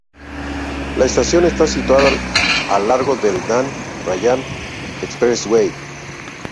La estación está situada a lo largo del Dan Ryan Expressway.